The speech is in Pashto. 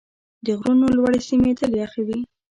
د غرونو لوړې سیمې تل یخ وي.